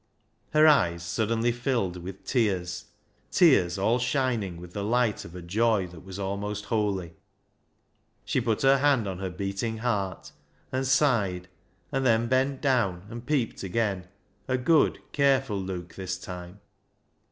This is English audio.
Her eyes suddenly filled with tears, tears all shining with the light of a joy that was almost holy. She put her hand on her beating heart, and sighed, and then bent down and peeped again — a good, careful look this time.